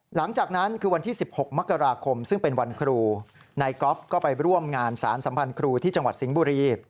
หลังจากนั้นคือวันที่๑๖มกราคมซึ่งเป็นวันครูนายกอล์ฟก็ไปร่วมงานสารสัมพันธ์ครูที่จังหวัดสิงห์บุรี